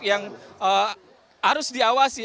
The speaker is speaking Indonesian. yang harus diawasi